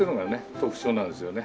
特徴なんですよね。